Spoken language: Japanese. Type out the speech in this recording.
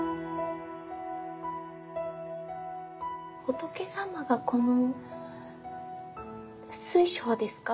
仏様がこの水晶ですか？